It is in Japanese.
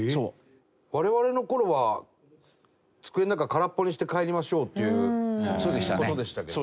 我々の頃は机の中空っぽにして帰りましょうっていう事でしたけどね。